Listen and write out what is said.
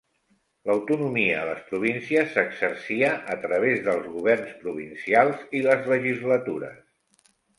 L'autonomia a les províncies s'exercia a través dels governs provincials i les legislatures.